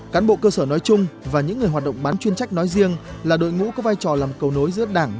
cán bộ cơ sở nói chung và những người hoạt động bán chuyên trách nói riêng là đội ngũ có vai trò làm cầu nối giữa đảng nhà nước với nhân dân